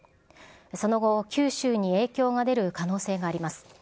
その後、九州に影響が出る可能性があります。